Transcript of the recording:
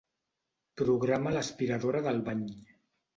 Programa l'aspiradora del bany.